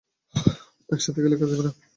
একসাথে গেলে কাজে দিবে না।